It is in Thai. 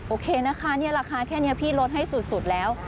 โอเคนะคะนี่ราคาแค่นี้พี่ลดให้สุดแล้ว